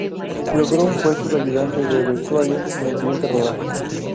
Logró un puesto de ayudante de vestuario en el siguiente rodaje.